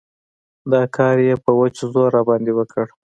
دا کار يې په وچ زور راباندې وکړ.